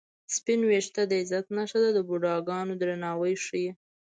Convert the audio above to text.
سپین وېښته د عزت نښه ده د بوډاګانو درناوی ښيي